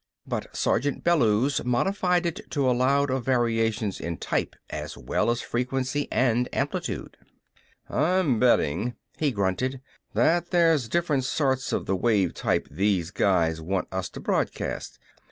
But Sergeant Bellews modified it to allow of variations in type as well as frequency and amplitude. "I'm betting," he grunted, "that there's different sorts of the wave type those guys want us to broadcast.